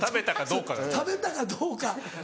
食べたかどうかです。